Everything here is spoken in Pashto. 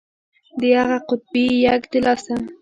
د اغه قطبي يږ د لاسه.